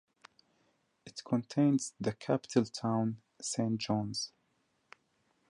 It contains the capital Town, Saint John's.